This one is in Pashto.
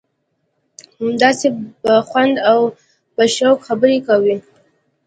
همداسې په خوند او په شوق خبرې کوي.